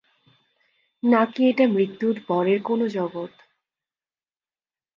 নাকি এটা মৃত্যুর পরের কোনো জগৎ?